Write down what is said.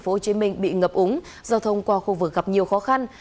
các chiến sĩ bị ngập úng giao thông qua khu vực gặp nhiều khó khăn